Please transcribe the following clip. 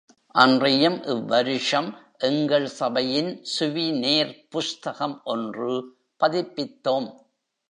அன்றியும் இவ்வருஷம் எங்கள் சபையின் சுவிநேர் புஸ்தகம் ஒன்று பதிப்பித்தோம்.